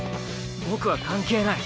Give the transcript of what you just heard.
僕は関係ない。